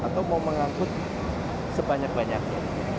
atau mau mengangkut sebanyak banyaknya